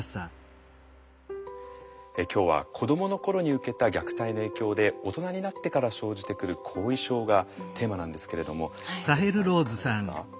今日は子どもの頃に受けた虐待の影響で大人になってから生じてくる後遺症がテーマなんですけれどもサヘルさんいかがですか？